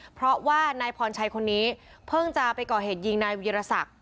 เพราะว่านายพรชัยคนนี้เพิ่งจะไปก่อเหตุยิงนายวิรสัก